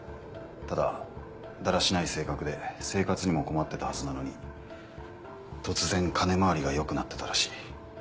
ただだらしない性格で生活にも困ってたはずなのに突然金回りが良くなってたらしい。